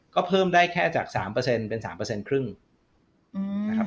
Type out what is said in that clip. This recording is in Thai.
ก็เพิ่มได้แค่จาก๓เป็น๓ครึ่งนะครับ